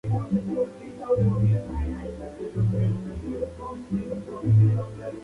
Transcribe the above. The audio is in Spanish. Ya que, estaba conformado por jugadores de las divisiones menores.